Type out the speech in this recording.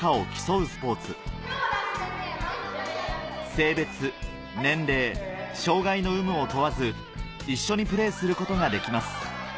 ・性別年齢障がいの有無を問わず一緒にプレーすることができます